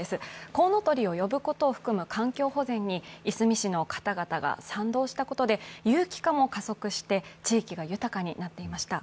コウノトリを呼ぶことを含む環境保全にいすみ市の方々が賛同したことで有機化も加速して、地域が豊かになっていました。